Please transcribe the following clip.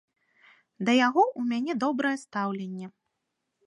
Да яго ў мяне добрае стаўленне.